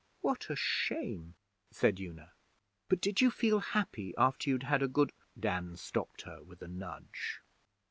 'What a shame!' said Una. 'But did you feel happy after you'd had a good ' Dan stopped her with a nudge.